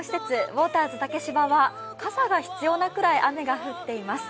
ウォーターズ竹芝は傘が必要なくらい雨が降っています。